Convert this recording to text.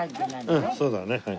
うんそうだねはい。